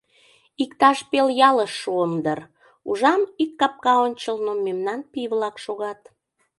Иктаж пел ялыш шуым дыр, ужам, ик капка ончылно мемнан пий-влак шогат.